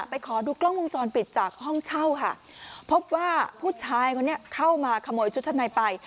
ขอดูกล้องวงจรปิดจากห้องเช่าค่ะพบว่าผู้ชายคนนี้เข้ามาขโมยชุดชั้นในไป